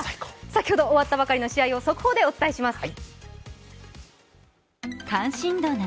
先ほど終わったばかりの試合を速報でお伝えします。